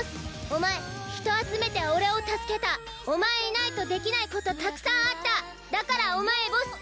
お前人集めて俺を助けたお前いないとできないことたくさんあっただからお前ボス！